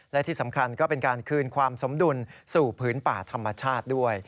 และที่สำคัญก็เป็นการคืนความสมดุลสู่พื้นป่าธรรมชาติด้วย